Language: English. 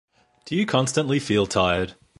Do you constantly feel tired?